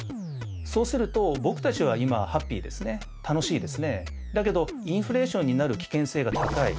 そうすると僕たちは今ハッピーですね楽しいですねだけどインフレーションになる危険性が高い。